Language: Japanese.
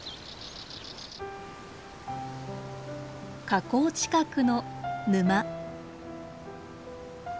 河口近くの沼。